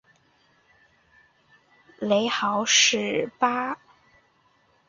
雷豪是德国巴伐利亚州的一个市镇。